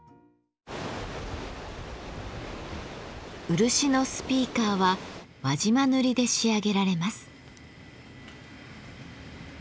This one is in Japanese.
漆のスピーカーは輪島で仕上げられます。